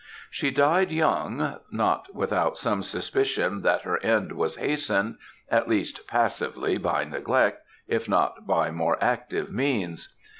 "She died young; not without some suspicions that her end was hastened at least, passively, by neglect, if not by more active means.